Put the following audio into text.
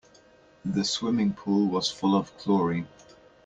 The swimming pool was full of chlorine.